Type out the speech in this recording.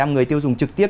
người tiêu dùng trực tiếp